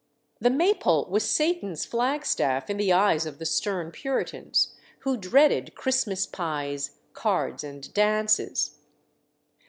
The Maypole was Satan's flag staff in the eyes of the stern Puritans, who dreaded Christmas pies, cards, and dances.